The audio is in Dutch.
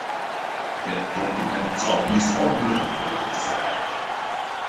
Dit document zal bijzonder nuttig zijn.